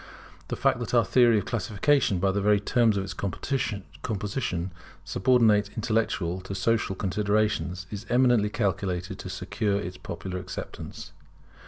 The fact that our theory of classification, by the very terms of its composition, subordinates intellectual to social considerations, is eminently calculated to secure its popular acceptance.